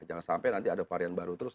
jangan sampai nanti ada varian baru terus